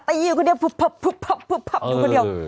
ตีอยู่คนเดียวปุ๊บคนเดียว